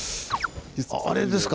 あっあれですか。